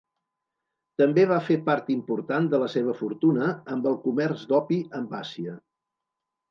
També va fer part important de la seva fortuna amb el comerç d'opi amb Àsia.